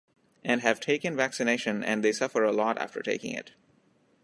And have taken vaccination and they suffer a lot after taking it.